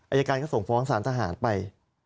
อายการก็ส่งฟ้องสารทหารไป